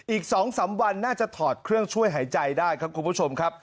อีก๒๓วันน่าจะถอดเครื่องช่วยหายใจได้ครับคุณผู้ชมครับ